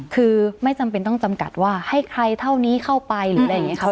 คือไม่จำเป็นต้องจำกัดว่าให้ใครเท่านี้เข้าไปหรืออะไรอย่างนี้ครับ